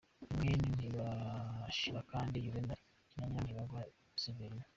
Ni mwene Ntibashirakandi Yuvenali na Nyirantibangwa Saverina.